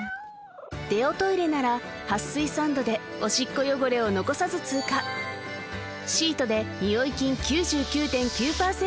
デオトイレなら撥水サンドでオシッコ汚れを残さず通過シートでニオイ菌９９．９％